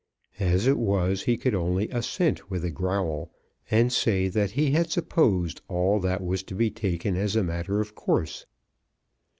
As it was he could only assent with a growl, and say that he had supposed all that was to be taken as a matter of course.